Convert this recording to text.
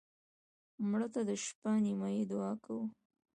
مړه ته د شپه نیمایي دعا کوو